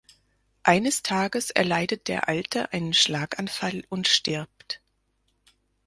Eines Tages erleidet der Alte einen Schlaganfall und stirbt.